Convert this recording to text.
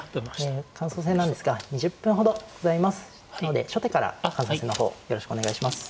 感想戦なんですが２０分ほどございますので初手から感想戦の方よろしくお願いします。